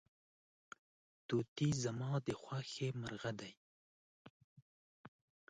توتي زما د خوښې مرغه دی.